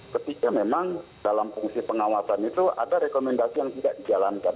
ketika memang dalam fungsi pengawasan itu ada rekomendasi yang tidak dijalankan